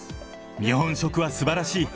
日本食はすばらしい。